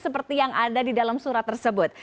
seperti yang ada di dalam surat tersebut